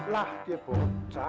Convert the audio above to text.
lah dia bocah